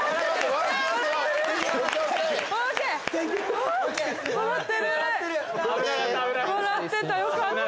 笑ってたよかった。